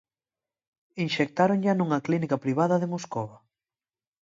Inxectáronlla nunha clínica privada de Moscova.